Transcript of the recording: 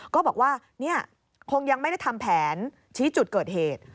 ก็บอกว่าเนี่ยคงยังไม่ได้ทำแผนชี้จุดเกิดเหตุ